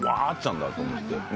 「あっちゃんだ」と思って。